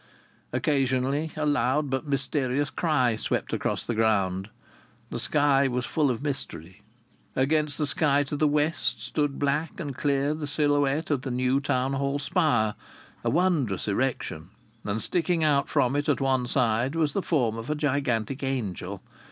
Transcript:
Occasionally a loud but mysterious cry swept across the ground. The sky was full of mystery. Against the sky to the west stood black and clear the silhouette of the new Town Hall spire, a wondrous erection; and sticking out from it at one side was the form of a gigantic angel.